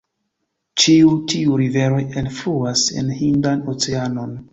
Ĉiuj tiuj riveroj enfluas en Hindan Oceanon.